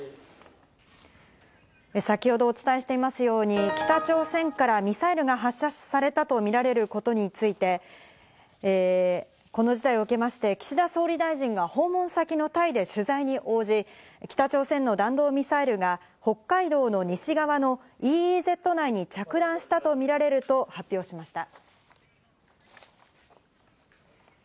先ほどお伝えしていますように北朝鮮からミサイルが発射されたとみられることについてこの事態を受けまして、岸田総理大臣が訪問先のタイで取材に応じ、北朝鮮の弾道ミサイルが北海道の西側のＥＥＺ内に着弾したとみられると発表しました。